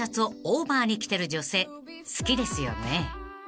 ［好きですよね？］